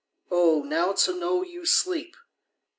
Oh, now to know you sleep!